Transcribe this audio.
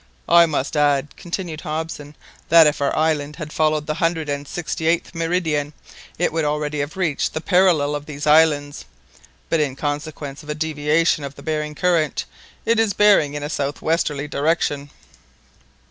"I must add," continued Hobson, "that if our island had followed the hundred and sixty eighth meridian, it would already have reached the parallel of these islands, but in consequence of a deviation of the Behring current, it is bearing in a south westerly direction."